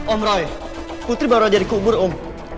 om rai putri baru aja dikubur om